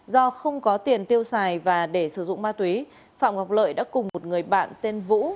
do không có tiền tiêu xài và để sử dụng ma túy phạm ngọc lợi đã cùng một người bạn tên vũ